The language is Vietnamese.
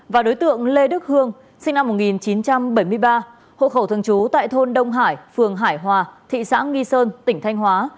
và đối tượng lê đức hương sinh năm một nghìn chín trăm bảy mươi ba hộ khẩu thường trú tại thôn đông hải phường hải hòa thị xã nghi sơn tỉnh thanh hóa